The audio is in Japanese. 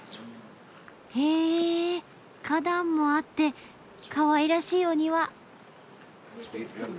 へぇ花壇もあってかわいらしいお庭。